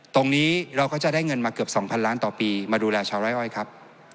ตรงนี้เราก็จะได้เงินมาเกือบ๒๐๐ล้านต่อปีมาดูแลชาวไร่อ้อยครับ